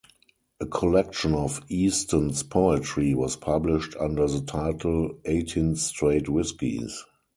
A collection of Easton's poetry was published under the title "Eighteen Straight Whiskeys".